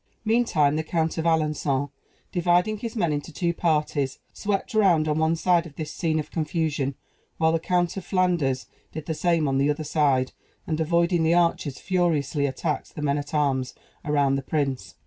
Meantime the Count of Alençon, dividing his men into two parties, swept round on one side of this scene of confusion; while the Count of Flanders did the same on the other side, and, avoiding the archers, furiously attacked the men at arms around the prince.